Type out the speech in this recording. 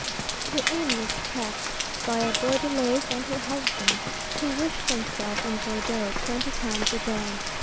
The inn was kept by a Bordelaise and her husband, who wish themselves in Bordeaux twenty times a day.